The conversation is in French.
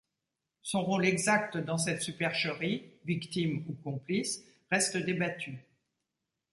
Son rôle exact dans cette supercherie, victime ou complice, reste débattu.